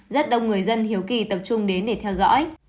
rất đông người dân hiếu kỳ tập trung đến để theo dõi